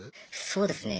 そうですね。